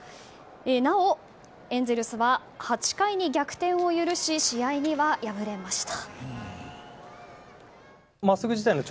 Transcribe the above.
なおエンゼルスは８回に逆転を許し試合には敗れました。